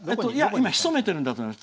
今、潜めてるんだと思います。